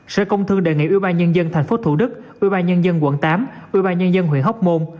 sở công thương đề nghị ubnd tp thủ đức ubnd quận tám ubnd huyện hóc môn